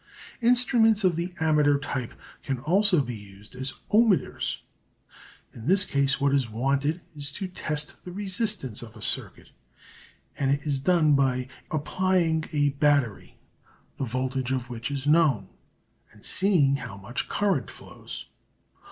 Instruments of the ammeter type can also be used as ohmmeters. In this case what is wanted is to test the resistance of a circuit, and it is done by applying a battery, the voltage of which is known, and seeing how much current flows.